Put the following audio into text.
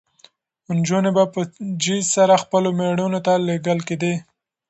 نجونې به په جېز سره خپلو مېړونو ته لېږل کېدې.